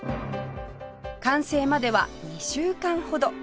完成までは２週間ほど